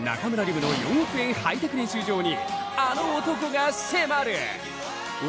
夢の４億円ハイテク練習場にあの男が迫る。